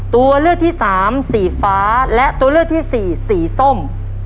ตัวเลือกที่สามสีฟ้าและตัวเลือกที่สี่สีส้ม